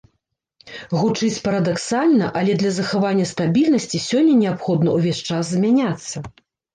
Гучыць парадаксальна, але для захавання стабільнасці сёння неабходна ўвесь час змяняцца.